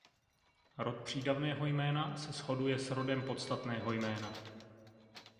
Rod přídavného jména se shoduje s rodem podstatného jména.